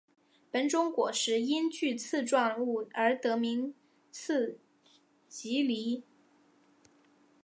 本种果实因具刺状物而得名刺蒺藜。